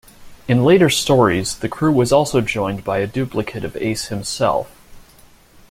In later stories, the crew was also joined by a duplicate of Ace himself.